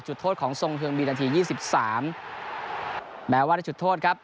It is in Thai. จุดโทษของที่ยี่สิบสามแม้ว่าได้จุดโทษครับ